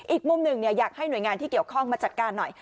อีกมุมหนึ่งอยากให้หน่วยงานที่เกี่ยวข้องมาจัดการหน่อย